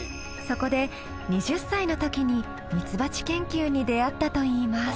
そこで２０歳の時にミツバチ研究に出会ったといいます。